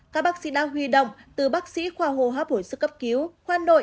các bác sĩ đã huy động từ bác sĩ khoa hồ hóa bổi sức cấp cứu khoan nội